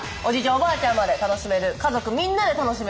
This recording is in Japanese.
おばあちゃんまで楽しめる家族みんなで楽しめるツアー。